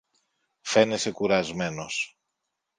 φαίνεσαι κουρασμένος